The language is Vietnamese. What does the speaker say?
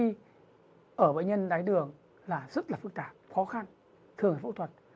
thì ở bệnh nhân đái đường là rất là phức tạp khó khăn thường là phẫu thuật